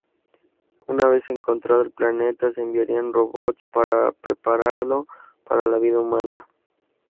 Una vez encontrado el planeta se enviarían robots para prepararlo para la vida Humana.